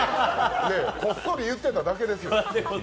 こっそり言ってただけですよ。